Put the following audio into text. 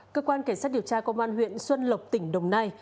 cơ quan cảnh sát điều tra công an huyện xuân lộc tỉnh đồng nai